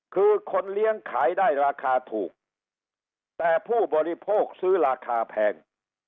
คือคนเลี้ยงขายได้ราคาถูกแต่ผู้บริโภคซื้อราคาแพง